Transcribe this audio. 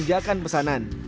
dan juga mengalami pesanan